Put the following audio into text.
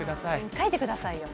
書いてくださいよ。